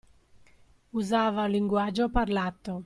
Usava un linguaggio parlato